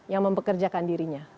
yang mempekerjakan dirinya